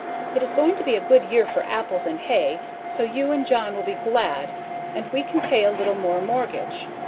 It is going to be a good year for apples and hay so you and John will be glad and we can pay a little more morgage.